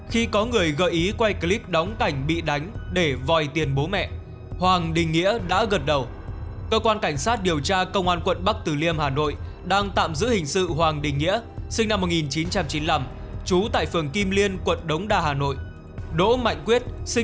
hãy đăng ký kênh để ủng hộ kênh của mình nhé